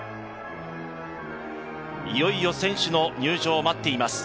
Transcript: いよいよ選手の入場を待っています。